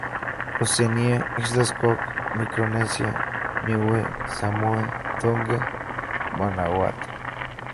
Oceanía: Islas Cook, Micronesia, Niue, Samoa, Tonga, Vanuatu.